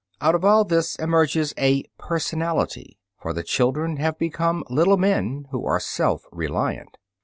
Out of all this emerges a personality, for the children have become little men, who are self reliant.